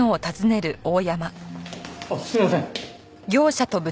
あっすいません。